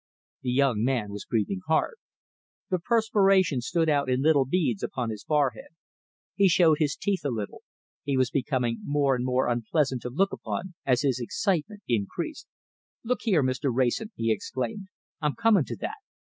The young man was breathing hard. The perspiration stood out in little beads upon his forehead. He showed his teeth a little. He was becoming more and more unpleasant to look upon as his excitement increased. "Look here, Mr. Wrayson!" he exclaimed. "I'm coming to that.